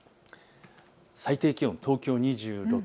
最低気温、東京２６度。